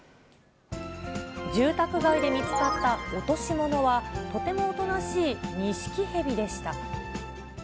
住宅街で見つかった落とし物は、とてもおとなしいニシキヘビでした。